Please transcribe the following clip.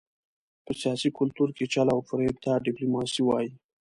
په سیاسي کلتور کې چل او فرېب ته ډیپلوماسي وايي.